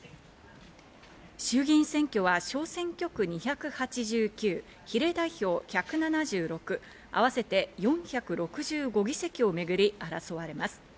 衆議院選挙は小選挙区２８９、比例代表１７６、合わせて４６５議席をめぐり争われます。